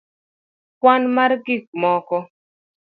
kwan mar gik moko